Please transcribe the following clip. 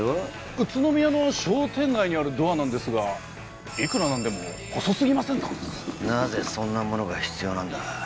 宇都宮の商店街にあるドアなんですがいくら何でも細すぎませんかなぜそんなものが必要なんだ？